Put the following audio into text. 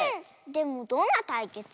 でもどんなたいけつ？